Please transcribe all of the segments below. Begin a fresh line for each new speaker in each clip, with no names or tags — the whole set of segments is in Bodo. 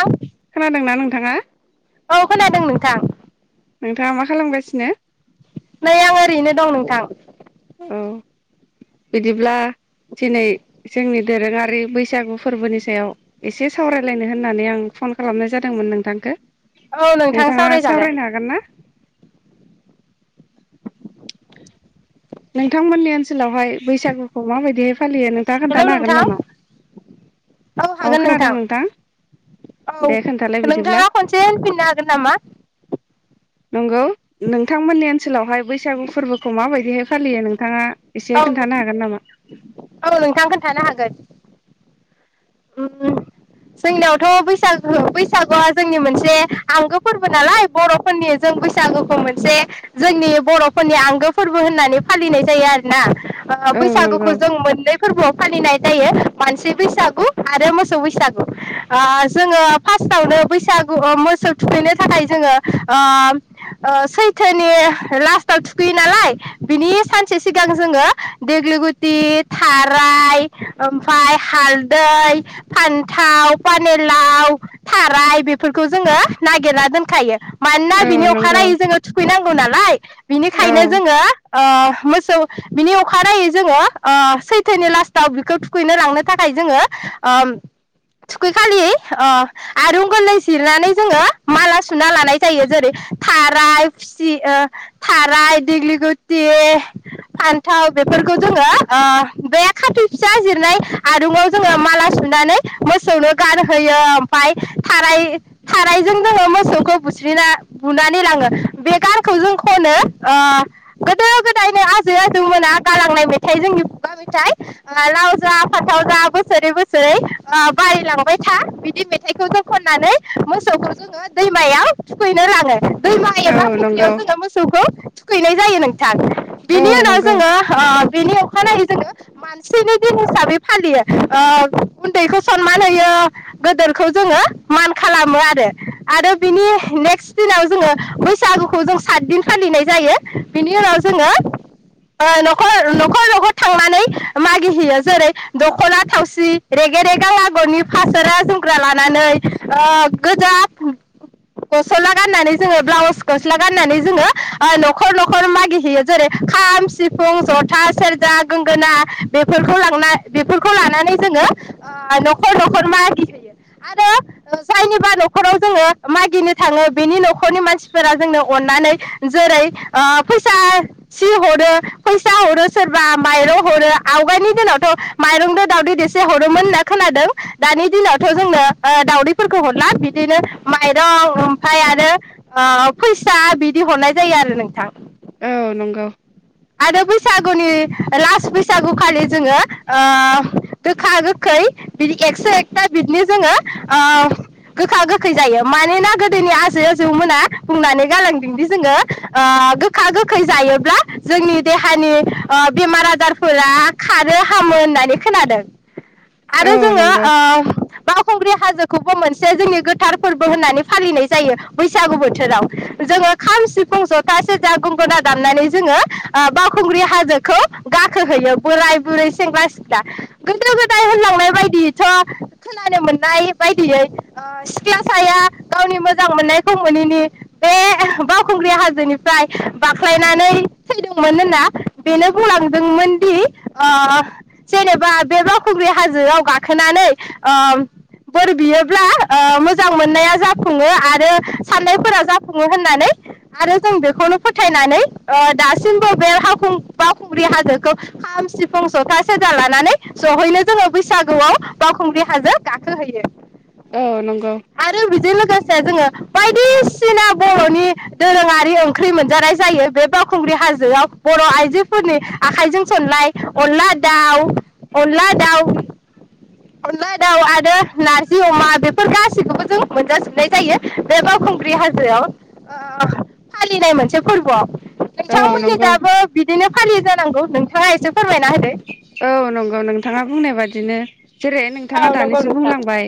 औ
खोनादोंना नोंथाङा
औ खोनादों नों थां
नोंथाङा मा खालामगासिनो?
नै आं ओरैनो दं नोंथां
औ बिदिब्ला दिनै जोंनि दोरोङारि बैसागु फोरबोनि सायाव एसे सावरायलायनो होननानै आं फन खालामनाय जादोंमोन नोंथांखो
औ नोंथां सावरायजागोन।
ना नोंथांमोननि ओनसोलावहाय बैसागुखौ माबायदिहाय फालियो नोंथाङा
हेलौ
खोन्थानो हागोन
नोंथां
नामा
।औ हागोन नोंथां औ।
दे खोन्थालाय बिदिब्ला
नोंथाङा खनसे होनफिननो हागोन नामा!
नंगौ नोंथांमोननि ओनसोलावहाय बैसागु फोरबोखौ माबाय फालियो नोंथाङा एसे
औ
खोन्थानो हागोन नामा?
औ नोंथां खोनथानो हागोन उम जोंनियावथ बैसागो बैसागुआ जोंनि मोनसे आंगो फोरबो नालाय बर'फोरनि जों बैसागोखौ मोनसे जोंनि बर'फोरनि आंगो फोरबो होननानै फालिनाय जायो आरो ना। ओ
औ नंगौ
बैसागुखौ जों मोननै फोरबोआव फालिनाय जायो। मानसि बैसागु आरो मोसौ बैसागु आ जोङो फास्टावनो बैसागु ओ मोसौ थुखैनो थाखाय जोङो ओ ओ सैथोनि लास्टआव थुखैयो नालाय बिनि सानसे सिगां जोङो देग्लि गुथि थाराय ओमफ्राय हालदै इ फान्थाव पानि लाव थाराय बेफोरखौ जोङो नागिरना दोनखायो। मानना
औ
बिनि
नंगौ
अखानायै जोङो थुखैनां ह नालाय
औ
बिनिखायनो जोङो ओ मोसौ बिनि अखानायै जोङो ओ सैथोनि लास्टाव बिखौ थुखैनो लांनो थाखाय जोङो ओम थुखै खालि ओ आरुं गोरलै जिरनानै जोङो माला सुना लानाय जायो जेरै थाराय फुसि ओ थाराय देग्लि गुथि फान्थाव बेफोरखौ जोङो ओ बे खाथि फिसा जिरनाय आरुङाव जोङो माला सुनानै मोसौनो गान होयो ओमफाय थाराय थारायजों जोङो मोसौखौ बुज्रिना बुनानै लाङो बे गानखौ जों खनो गोदो गोदायनो आजै आजौमोना गालांनाय मेथाइ जोंनि खुगा मेथाइ ओ लाव जा फाथाव जा बोसोरै बो सै ओ बारिलांबाय था बिदि मेथाइखौ जोङो खननानै मोसौखौ जोङो दैमायाव थुखैनो लाङो। दैमा
औ
एबा फुख्रियाव
नंगौ
जोङो मोसौखौ थुखैनाय जायो नों थां
औ
बिनि उनाव
नंगौ
जोङो ओ बेनि अखानायै जोङो मानसिनि दिन हिसाबै फालियो ओ उन्दैखौ सनमान होयो गोदोरखौ जोङो मान खालामो आरो आरो बिनि नेक्स्ट दिनाव जोङो बैसागुखौ जों सात दिन फालिनाय जायो बिनि उनाव जोङो ओ नखर नखर नखर थांनानै मागिहैयो जेरै दखना थावसि रेगे रेगां आगरनि फासोरा जोमग्रा लानानै गोजा गसला गाननानै जोङो ब्लाउस गस्ला गाननानै जोङो नखर नखर मागिहैयो जेरै खाम सिफुं जथा सेरजा गोंगोना बेफोरखौ लांना बेफोरखौ लानानै जोङो ओ नखर नखर मागि होयो आरो जायनिबा नखराव जोङो मागिनो थाङो बिनि नखरनि मानसिफोरा जोंनो अननानै जोरै ओ फैसा सि हरो फैसा हरो सोरबा माइरं हरो आवगायनि दिनावथ माइरंदो दाउदै देस से हरोमोन होनना खोनादों दानि दिनावथ जोंनो दाउदैफोरखौ हरला बिदिनो माइरं ओमफ्राय आरो ओ फैसा बिदि हरनाय जायो आरो नोंथां।
औ नंगौ
आरो बैसागुनि लास्ट बैसागु खालि जोङो ओ गोखा गोखै बिदि एकस एकथा बिदनि जोङो गोखा गोखै जायो मानोना गोदोनि आजै आजौमोना बुंनानै गालांदोंदि जोङो ओ गोखा गोखै जायोब्ला जोंनि देहानि ओ बेमार आजारफोरा खारो हामो होननानै खोनादों। आरो
औ
जोङो
नंगौ
ओ बावखुंग्रि हाजो खौबो मोनसे जोंनि गोथार फोरबो होननानै फालिनाय जायो बैसागु बोथोराव जोङो खाम सिफुं जथा सेरजा गंगना दामनानै जोङो ओ बावखुंग्रि हाजोखौ गाखोहोयो बोराय बुरै सेंग्रा सिख्ला गोदो गोदाय होनलांनाय बायदियैथ खोनानो मोननाय बायदियै ओ सिख्ला साया गावनि मोजां मोननायखौ मोनैनि बे बावखुंग्रि हाजोनिफ्राय बाख्लायनानै थैदोंमोन होनना बेनो बुंलांदोंमोनदि ओ जेनेबा बे बावखुंग्रि हाजोआव गाखोनानै ओ बोर बियोब्ला ओ‌ मोजां मोननाया जाफुङो आरो साननायफोरा जाफुङो होननानै आरो जों बेखौनो फोथायनानै ओ दासिमबो बे हाव खुं बावखुंग्रि हाजोखौ खाम सिफुं जथा सेरजा लानानै जयैनो जोङो बैसागुआव बावखुंग्रि हाजो गाखो हैयो।
औ नंगौ
से जोङो बायदिसिना बर'नि दोरोङारि ओंख्रि मोनजानाय जायो बे बाव खुंग्रि हाजोआव बर' आइजोफोरनि आखाइजों सनलाय अनला दाउ अनला दाउ अनला दाउ आरो नारजि अमा बेफोर गासिखौबो जों मोनजाजोबनाय जायो बे बावखुंग्रि हाजोआव ओ फालिनाय मोनसे फोरबोआव।
औ
नोंथांमोननि
नंगौ
जाबो बिदिनो फालियो जान नांगौ नोंथाङा एसे फोरमायना होदो
औ नंगौ नोंथाङा बुंनाय बादिनो जेरै नोंथाङा
औ नंगौ
दानिसो
नोंथां
बुंलांबाय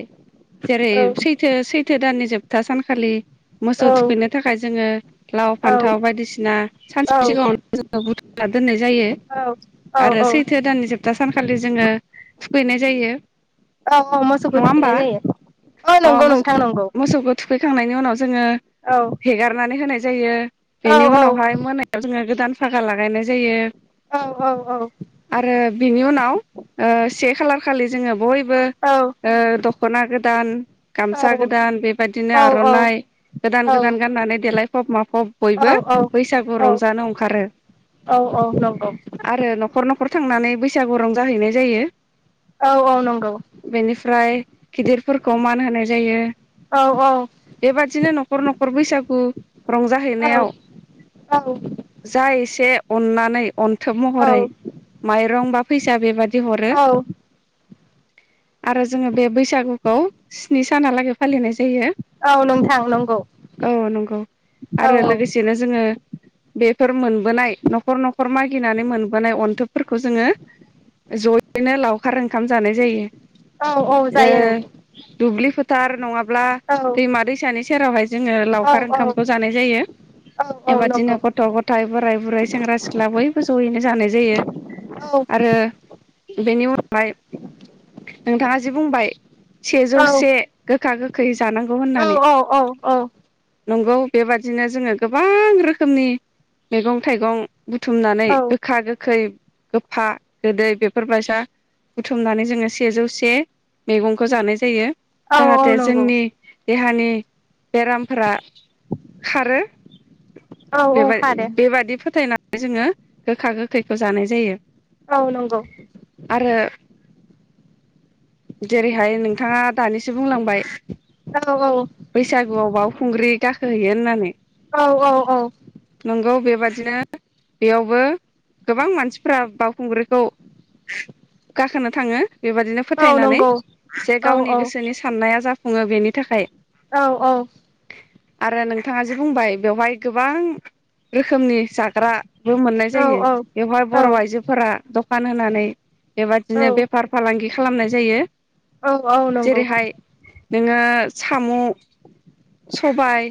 जेरै
औ
सैथो सैथो दाननि जोब था सानखालि मोसौ
औ
थुखैनो थाखाय जोङो लाव
औ
फान्थाव बायदिसिना
औ
सानसे सिगाङाव जोङो बुथुमना दोननाय जायो।
औ
आरो
औ
सैथो दाननि जोबथा सानखालि जोङो थुखैनाय जायो
औ औ मोसौखौ
।नङा होमबा
थुखैनाय जायो औ
अ
नंगौ
मोसो
नोंथां नंगौ
मोसौखौ थुखैखां नायनि उनावज जोङो
औ
हेरनानै होनाय जायो
औ
बेनि
औ
उनावहाय मोनायाव जोङो गोदान फागा लागायनाय जायो।
औ औ
आरो बिनि उनाव ओ से खालार खालि जोङो बय बो ओ
औ
दख'ना गोदान
औ
गामसा गोदान बेबायदिनो
औ
आर'नाइ गोदान गोदान गाननानै देलायफब माफब बयबो बैसागु
औ
रंजानो अंखारो
औ औ नंगौ
रो न'खर न'खर थांनानै बैसागु रं जाहैनाय जायो।
औ औ नंगौ
बेनिफ्राय गिदिरफोरखौ मान होनाय जायो
औ औ
बेबादिनो नखर नखर बैसागु
औ
रंजाहैनायाव जा एसे अननानै अन थोब
औ
महरै
औ
माइरं बा फैसा बेबादि दि हरो
औ
आरो जोङो बे बैसागुखौ स्नि सानालागै फालिनाय जा जायो
औ नोंथां नंगौ
औ नंगौ
औ
आरो लोगोसेनो जोङो बेफोर मोनबोनाय नखर नखर मागि गिनानै मोनबोनाय अन्थोबफोरखौ जोङो जयैनो लावखार ओंखाम जानाय जायो
औ औ जायो
ए
नंगौ
दुब्लि फो थार नङा ब्ला
औ
दैमा दैसानि सेरावहाय जोङो
औ
लावखार
औ
ओंखामखौ जानाय जायो
औ औ
बेबादिनो
नंगौ
गथ' गथाय बोराय बुरै सेंग्रा सिख्ला बय जयैनो जानाय जायो
औ
बेनि उनावहाय नोंथाङा जि बुंबाय सेजौ
औ
से गोखा गोख खै
औ औ औ औ
नंगौ बेबादिनो जोङो गोबां रोखोमनि मैगं थाइगं बुथुमनानै गोखा गोखै गोफा गोदै बेफोर बायसा बुथुमनानै जोङो सेजौ से मैगंखौ जानाय जायो
औ
जाहाथे
नंगौ
जोंनि देहानि बेरामफोरा खारो
औ औ खारो
बेबा-बेबादि फोथायना जोङो गोखा गोखैखौ जानाय जायो
औ नंगौ
आरो जेरैहाय नोंथाङा दानिसो बुंलांबाय
औ
बैसागुआव बावखुंग्रि गाखो खोहैयो होननानै
औ औ औ
बिदिनो बेयावबो गोबां मानसिफ्रा बावखुंग्रिखौ गाखोनो थाङो बेबादिनो
औ
फोथायनानै
नंगौ
जे
औ
गावनि
औ
गोसोनि साननाया जाफ फुङो बेनि थाखाय
औ औ
आरो नोंथाङा जे बुंबाय बेवहाय गोबां रोखोमनि जाग्राबो मोन
औ
जायो बेवहाय बर'
औ
आइजोफोरा द फानहोनानै बेबादिनो
औ
बेफार फालांगि खालामनाय जा जायो
औ औ नंगौ
जेरैहाय नोङो साम' सबाय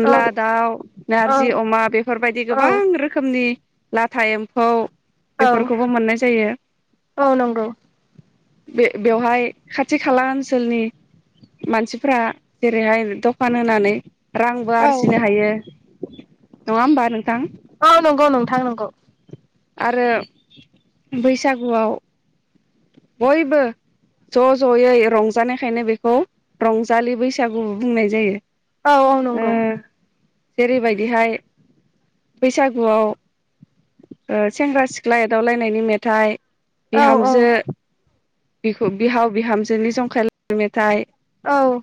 औ
दाउ नारजि
औ
अमा बेफोरबायदि
औ
गोबां
औ
रोखोमनि लाथा एम्फौ बेफोरखौबो मोननाय जायो
औ नंगौ
बे-बेवहाय खाथि खाला ओनसोलनि मानसिफ्रा जेरैहाय दखान होनानै रांबो
औ
आरजिनो हायो नङा होमबा नोंथां
औ नंगौ नोंथां नंगौ
आरो बैसागुआव बयबो ज' ज'यै रंजानायखायनो बेखौ रंजालि बैसागुबो बुंनाय जायो
औ औ
ओ
नंगौ
जेरैबायदिहाय बैसागुआव ओ सेंग्रा सिख्ला एदावलायनायनि मेथाइ
औ
बिहामजो बिखु बिहाव बिहामज जोंनि जंखालायनाय मेथाइ
औ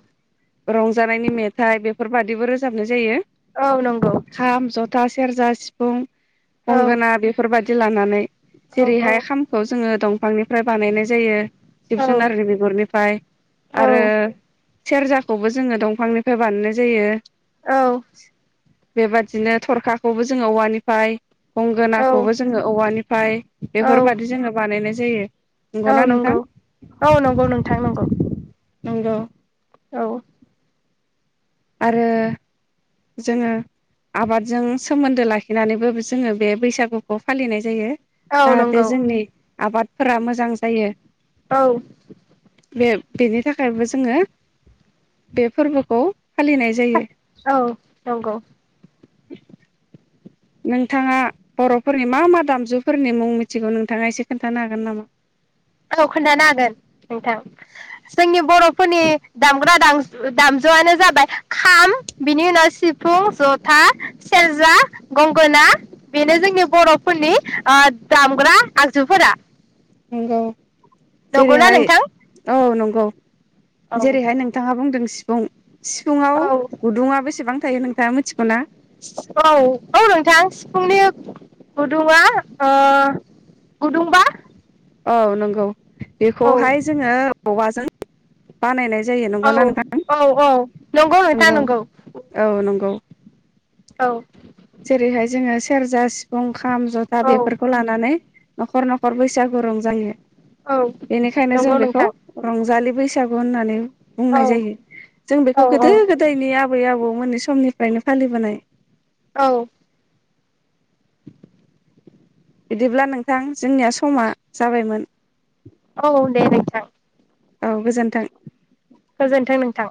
रंजानायनि मेथाइ बेफोरबादिबो रोजाबनाय जायो
औ नंगौ
खाम जथा सि सेरजा सिफुं
औ औ
गंगोना बेफोरबादि लानानै जेरैहाय खामखौ जोङो दंफांनि फ्राय बानायनाय जायो जिब
औ
जुनारनि बिगुरनिफाय आरो सेरजा खौबो जोङो दंफांनिफाय बानायनाय जायो [inaudible] बेबादिनो थरखाखौबो जोङो औवानिफाय गंगोनाखौबो जोङो औवानि फ्राय बेफोरबायदि
औ
जोङो बानायनाय जायो
औ
नंगौना नोंथां
नंगौ औ नंगौ नोंथां नंगौ।
नोंगौ।
औ
आरो जोङो आबादजों सोमोनदो लाखिनानैबो जोङो बे बैसागुखौ फालिनाय जायो।
औ
जाहाथे
नंगौ
जोंनि आबादफोरा मोजां जायो।
औ
बे बेनि थाखायबो जोङो बे फोरबोखौ फालिनाय जायो।
औ नंगौ।
नोंथाङा बर'फोरनि मा मा दामजुफोरनि मुं मिथिगौ नोंथाङा एसे खोनथानो हागोन नामा?
औ खोनथानो हागोन नोंथां जोंनि बर'फोरनि दामग्रा दांजु दामजुआनो जाबाय खाम बिनि उनाव सिफुं जथा सेरजा गंगोना बेनो जोंनि बर'फोरनि ओ दामग्रा आगजुफोरा।
नोंगौ।
नंगौना
जेरैहाय
नोंथां
औ नंगौ।
औ
जेरैहाय नोंथाङा बुंदों सि फुं सिफुुंङाव
औ
गुदुङा बेसेबां थायो नोंथाङा मिथिगौना?
औ औ नोंथां सिफुंनि गुदुंआ ओ गुदुंबा
औ नोंगौ
औ
बेखौहाय जोङो औवाजों बानायनाय जायो
औ
नंगौना नोंथां
औ औ नंगौ नोंथां नंगौ।
औ नंगौ
औ
जेरैहाय जोङो सेरजा सिफुं खाम जथा
औ
बेफोरखौ लानानै न'खर न'खर बैसागु रंजायो।
औ
बेनिखायनो जों
नंगौ
बेखौ
नोंथां
रंजालि बैसागु होननान [unintelligible]
औ
बुंनाय जायो जों बेखौ
औ औ
गोदो गोदायनि आबै आबौ मोननि समनिफ्रायनो फालिबोनाय
औ
बिदिब्ला नोंथां जोंनिया समा जाबायमोन
औ औ दे दे जागोन
औ गोजोन्थों
गोजोन्थों नोंथां